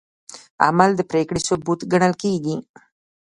عمل د پرېکړې ثبوت ګڼل کېږي.